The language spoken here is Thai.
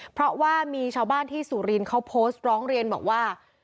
เพราะว่ามีชาวบ้านที่สุรินทร์เขาโพสต์ร้องเรียนบอกว่า